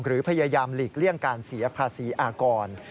หรือพยายามหลีกเลี่ยงการเสียภาษีอากร